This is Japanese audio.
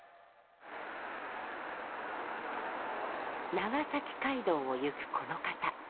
長崎街道を行くこの方。